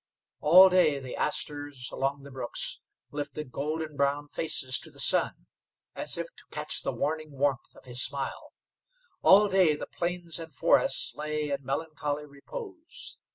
All day the asters along the brooks lifted golden brown faces to the sun as if to catch the warning warmth of his smile. All day the plains and forests lay in melancholy repose.